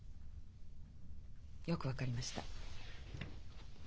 よく分かりました。